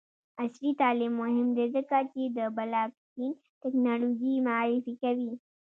عصري تعلیم مهم دی ځکه چې د بلاکچین ټیکنالوژي معرفي کوي.